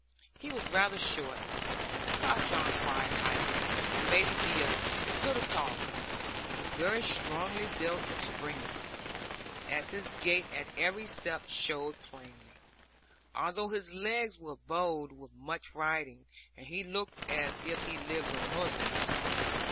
He was rather short, about John Fry's height, or may be a little taller, but very strongly built and springy, as his gait at every step showed plainly, although his legs were bowed with much riding, and he looked as if he lived on horseback.